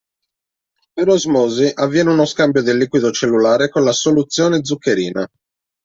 Per osmosi, avviene uno scambio del liquido cellulare con la soluzione zuccherina.